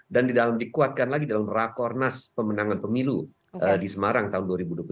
dan dikuatkan lagi dalam rakornas pemenangan pemilu di semarang tahun dua ribu dua puluh tiga